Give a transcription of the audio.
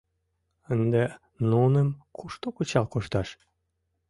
Ынде нуным кушто кычал кошташ?..